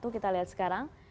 kita lihat sekarang